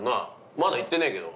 まだ行ってねえけど。